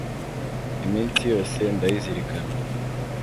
iminsi yose ndayazirikana